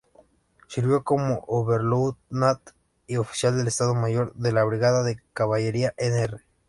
Sirvió como Oberleutnant y Oficial del Estado Mayor de la Brigada de Caballería Nr.